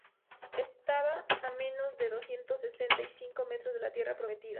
Estaban a menos de doscientos setenta y cinco metros de la tierra prometida.